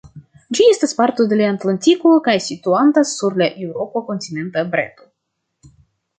Ĝi estas parto de la Atlantiko kaj situantas sur la eŭropa kontinenta breto.